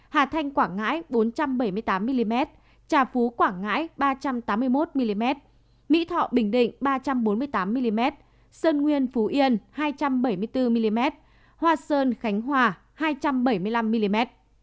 hà thanh quảng ngãi bốn trăm bảy mươi tám mm trà phú quảng ngãi ba trăm tám mươi một mm mỹ thọ bình định ba trăm bốn mươi tám mm sơn nguyên phú yên hai trăm bảy mươi bốn mm hoa sơn khánh hòa hai trăm bảy mươi năm mm